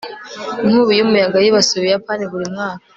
inkubi y'umuyaga yibasiye ubuyapani buri mwaka